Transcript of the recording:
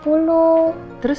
pada saat itu